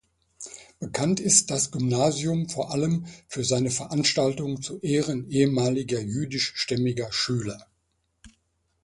Bekannt ist das Gymnasium vor allem für seine Veranstaltungen zu Ehren ehemaliger jüdisch-stämmiger Schüler.